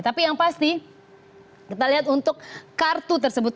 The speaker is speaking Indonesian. tapi yang pasti kita lihat untuk kartu tersebut